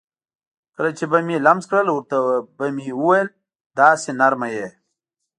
کله چې به مې لمس کړل ورته به مې وویل: داسې نرمه یې.